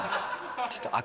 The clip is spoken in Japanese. ちょっと。